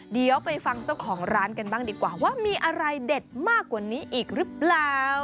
เดี๋ยวไปฟังเจ้าของร้านกันบ้างดีกว่าว่ามีอะไรเด็ดมากกว่านี้อีกหรือเปล่า